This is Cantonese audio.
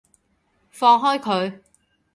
放開佢！